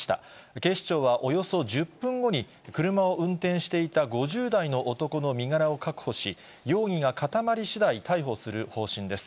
警視庁はおよそ１０分後に、車を運転していた５０代の男の身柄を確保し、容疑が固まりしだい逮捕する方針です。